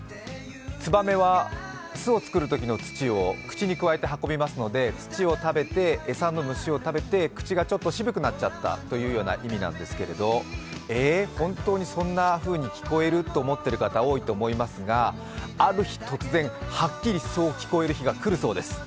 つばめは巣を作るときの土を口にくわえて運びますので土を食べて、餌の虫を食べて、口がちょっと渋くなっちゃったといような意味なんですけど、えっ、本当にそんなふうに聞こえる？という方が多いかもしれませんがある日突然、はっきりそう聞こえる日が来るそうです。